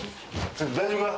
大丈夫か？